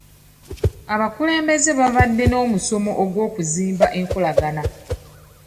Abakulembeze baabadde n'omusomo gw'okuzimba enkolagana.